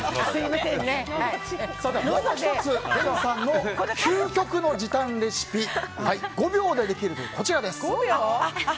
もう１つ、レミさんの究極の時短レシピ５秒でできるというこちらです。